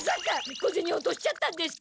小ゼニ落としちゃったんですか？